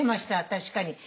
確かに。